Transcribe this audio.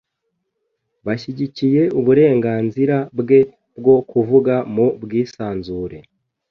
Bashyigikiye uburenganzira bwe bwo kuvuga mu bwisanzure.